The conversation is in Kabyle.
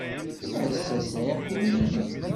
Ass-a sɛiɣ timlilit.